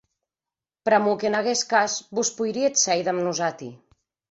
Pr'amor qu'en aguest cas vos poiríetz sèir damb nosati.